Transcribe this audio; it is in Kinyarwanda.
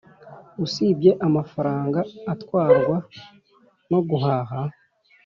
usibye amafaranga atwarwa no guhaha